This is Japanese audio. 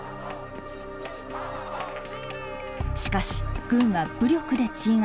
しかし軍は武力で鎮圧。